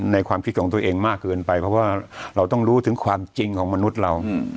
ความคิดของตัวเองมากเกินไปเพราะว่าเราต้องรู้ถึงความจริงของมนุษย์เรา